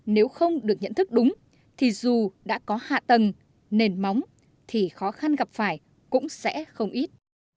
nếu không được nhận thức đúng thì dù đã có hạ tầng nền móng thì khó khăn gặp phải cũng sẽ không ít